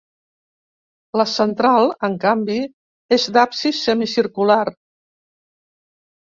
La central, en canvi, és d'absis semicircular.